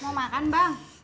mau makan bang